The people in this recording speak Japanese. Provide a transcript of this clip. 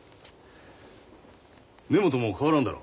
根本も変わらんだろ。